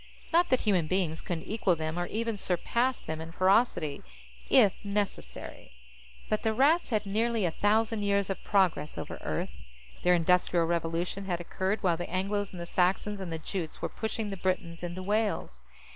Not that human beings couldn't equal them or even surpass them in ferocity, if necessary. But the Rats had nearly a thousand years of progress over Earth. Their Industrial Revolution had occurred while the Angles and the Saxons and the Jutes were pushing the Britons into Wales.